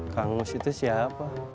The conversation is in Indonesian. kangus itu siapa